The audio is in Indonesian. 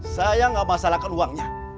saya gak masalahkan uangnya